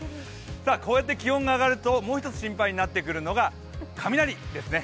こうやって気温が上がるともう一つ心配になってくるのが雷ですね。